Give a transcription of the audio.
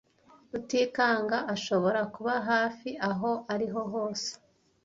Rutikanga ashobora kuba hafi aho ariho hose.